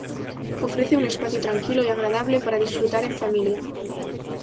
Ofrece un espacio tranquilo y agradable para disfrutar en familia.